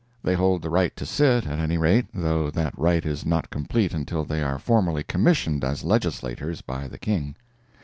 They hold the right to sit, at any rate, though that right is not complete until they are formally commissioned as Legislators by the King.